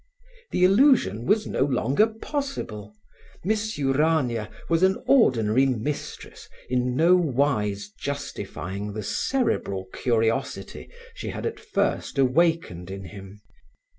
The illusion was no longer possible! Miss Urania was an ordinary mistress, in no wise justifying the cerebral curiosity she had at first awakened in him.